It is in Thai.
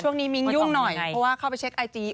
มิ้งยุ่งหน่อยเพราะว่าเข้าไปเช็คไอจี